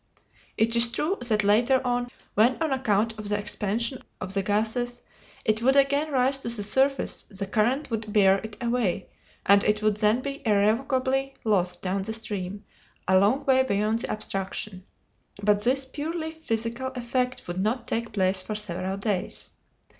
It is true that later on, when, on account of the expansion of the gases, it would again rise to the surface, the current would bear it away, and it would then be irrevocably lost down the stream, a long way beyond the obstruction. But this purely physical effect would not take place for several days.